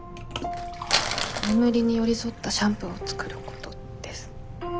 眠りに寄り添ったシャンプーを作ることです。